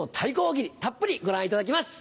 大喜利たっぷりご覧いただきます